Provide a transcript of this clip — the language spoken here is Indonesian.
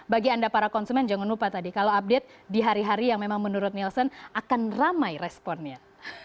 bagi anda para konsumen jangan lupa tadi kalau update di hari hari yang memang menurut nielsen akan ramai responnya